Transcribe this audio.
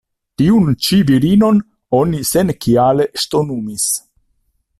Tiun ĉi virinon oni senkiale ŝtonumis.